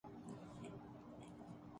اس واقعے میں ان کو معمولی زخم آئے۔